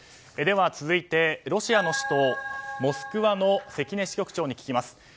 では続いて、ロシアの首都モスクワの関根支局長に聞きます。